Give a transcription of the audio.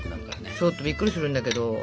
ちょっとびっくりするんだけど。